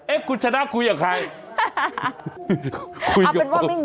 เอ๊ะคุณชนะคุยกับใคร